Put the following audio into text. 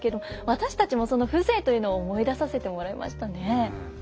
私たちもその風情というのを思い出させてもらいましたね。